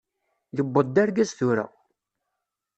Yewweḍ d argaz tura!